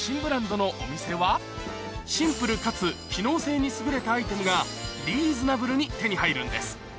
シンプルかつ機能性に優れたアイテムがリーズナブルに手に入るんです